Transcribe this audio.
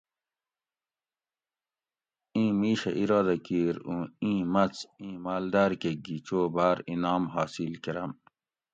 ایں میشہ ارادہ کیر اُوں اِیں مۤۡڅ ایں مالدار کہ گھی چو باۤر انعام حاصل کۤرم